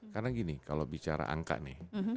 karena gini kalau bicara angka nih